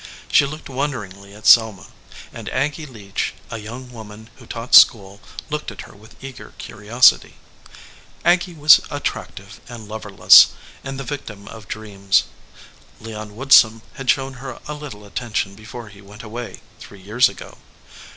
She looked wonderingly at Selma, and Aggy Leach, a young woman who taught school, looked at her with eager curiosity. Aggy was attractive 162 THE LIAR and loverless, and the victim of dreams. Leon Woodsum had shown her a little attention before he went away, three years ago.